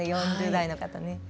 ４０代の方。